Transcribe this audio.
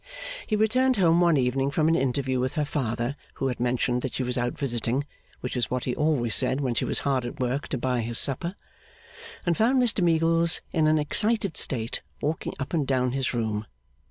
He returned home one evening from an interview with her father, who had mentioned that she was out visiting which was what he always said when she was hard at work to buy his supper and found Mr Meagles in an excited state walking up and down his room.